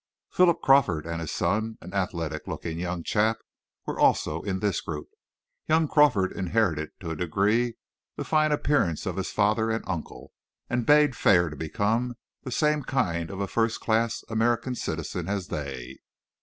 Philip Crawford and his son, an athletic looking young chap, were also in this group. Young Crawford inherited to a degree the fine appearance of his father and uncle, and bade fair to become the same kind of a first class American citizen as they.